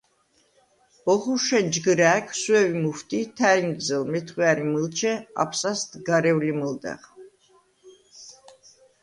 ოხურშვენ ჯგჷრა̄̈გ – სვევი მუჰვდი, თა̈რინგზელ – მეთხვია̈რი მჷლჩე, აფსასდ – გარევლი მჷლდეღ.